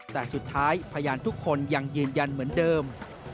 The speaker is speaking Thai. แต่สุดท้ายพยานทุกคนยังยืนยันเหมือนเดิม